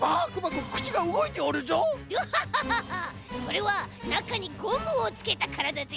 グハハハそれはなかにゴムをつけたからだぜ。